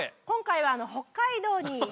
今回は北海道に。